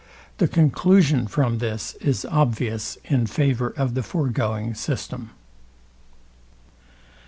The conclusion from this is obvious in favour of the foregoing system.